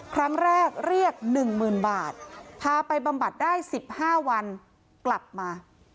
ครั้งแรกเรียก๑๐๐๐บาทพาไปบำบัดได้๑๕วันกลับมา